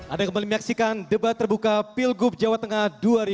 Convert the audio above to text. ada yang kembali menyaksikan debat terbuka pilgub jawa tengah dua ribu delapan belas